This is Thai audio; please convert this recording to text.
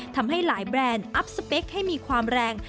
ทำให้หลายแบรนด์อัพสเปคให้มีความแรง